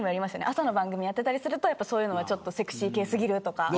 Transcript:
朝の番組をやっていたりするとそういうのはセクシー系すぎるとか。